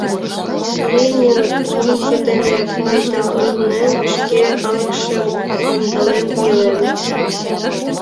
Ленинын лӱмжӧ дене пайдаланен, шке калыкшым ондален илен...